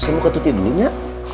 saya mau ke tuti dulu ya